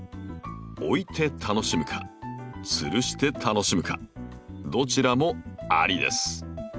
置いて楽しむかつるして楽しむかどちらもありです。